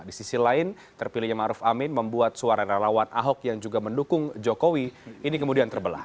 di sisi lain terpilihnya ma'ruf amin membuat suara rawat ahok yang juga mendukung jokowi ini kemudian terbelah